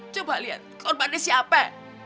coba lihat korbannya siapa